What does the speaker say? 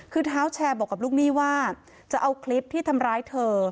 คือเท้าแชร์บอกกับลูกหนี้ว่าจะเอาคลิปที่ทำร้ายเธอ